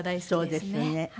そうですよね。